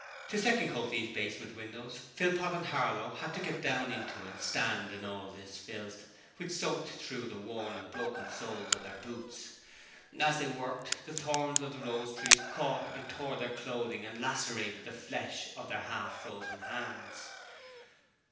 To second coat these basement windows, Philpot and Harlow had to get down into and stand in all this filth, which soaked through the worn and broken soles of their boots. As they worked, the thorns of the rose trees caught and tore their clothing and lacerated the flesh of their half frozen hands.